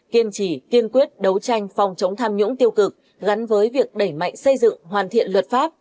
kiên trì kiên quyết đấu tranh phòng chống tham nhũng tiêu cực gắn với việc đẩy mạnh xây dựng hoàn thiện luật pháp